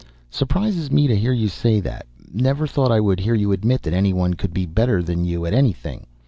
"Surprises me to hear you say that. Never thought I would hear you admit that anyone could be better than you at anything.